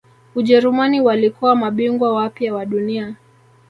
ujerumani walikuwa mabingwa wapya wa dunia